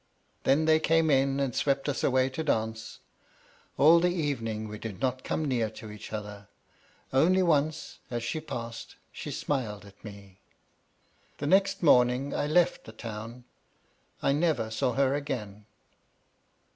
Then they came in and swept us away to dance. All the evening we did not come near to each other. Only once, as she passed, she smiled at me. The next morning I left the town. I never saw her again.